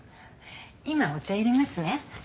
今お茶入れますね。